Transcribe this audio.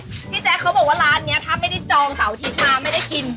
พี่แจ๊วเขาบอกว่าร้านนี้เท่าไม่ได้จองเสียวทิศมาไม่ได้กิน